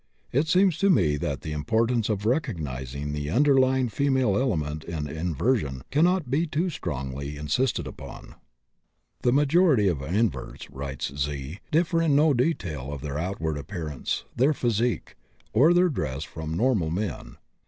It seems to me that the importance of recognizing the underlying female element in inversion cannot be too strongly insisted upon." "The majority" [of inverts], writes "Z," "differ in no detail of their outward appearance, their physique, or their dress from normal men.